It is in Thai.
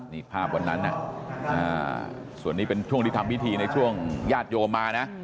นี่ภาพวันนั้นส่วนนี้เป็นช่วงที่ทำพิธีในช่วงญาติโยมมานะ